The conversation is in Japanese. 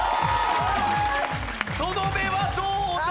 その目はどうだ？